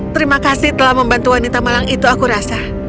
terima kasih telah membantu wanita malang itu aku rasa